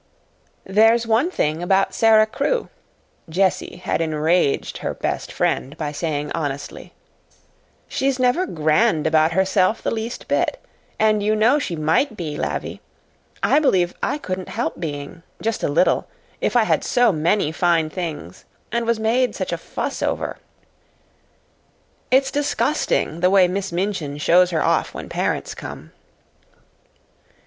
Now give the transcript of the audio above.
"There's one thing about Sara Crewe," Jessie had enraged her "best friend" by saying honestly, "she's never 'grand' about herself the least bit, and you know she might be, Lavvie. I believe I couldn't help being just a little if I had so many fine things and was made such a fuss over. It's disgusting, the way Miss Minchin shows her off when parents come."